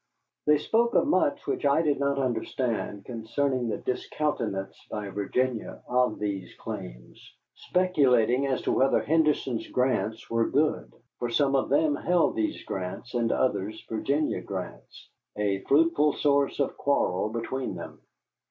They spoke of much that I did not understand concerning the discountenance by Virginia of these claims, speculating as to whether Henderson's grants were good. For some of them held these grants, and others Virginia grants a fruitful source of quarrel between them.